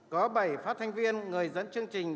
có bảy phát thanh viên người dẫn chương trình